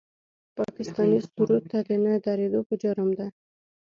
پاکستاني سرود ته د نه درېدو په جرم د